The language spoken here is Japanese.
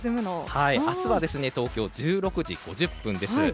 明日は東京、１６時５０分です。